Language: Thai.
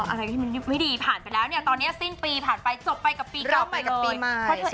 อะไรที่มันไม่ดีผ่านไปแล้วเนี่ยตอนนี้สิ้นปีผ่านไปจบไปกับปี๙ไปกับปีใหม่